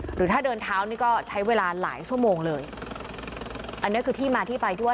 หรือถ้าเดินเท้านี่ก็ใช้เวลาหลายชั่วโมงเลยอันนี้คือที่มาที่ไปด้วย